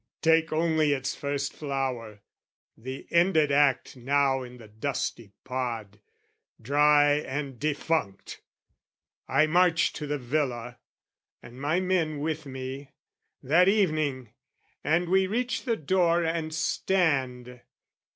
Take only its first flower, the ended act Now in the dusty pod, dry and defunct! I march to the Villa, and my men with me, That evening, and we reach the door and stand.